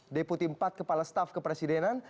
deputi empat kepala staf kepresidenan